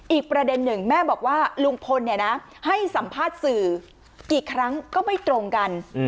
อีกประเด็นหนึ่งแม่บอกว่าลุงพลให้สัมภาษณ์สื่อกี่ครั้งก็ไม่ตรงกัน